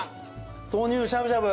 豆乳しゃぶしゃぶ。